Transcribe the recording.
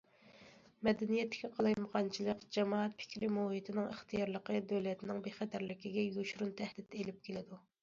مەدەنىيەتتىكى قالايمىقانچىلىق، جامائەت پىكرى مۇھىتىنىڭ ئىختىيارلىقى دۆلەتنىڭ بىخەتەرلىكىگە يوشۇرۇن تەھدىت ئېلىپ كېلىدۇ.